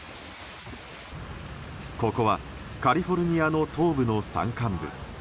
ここはカリフォルニアの東部の山間部。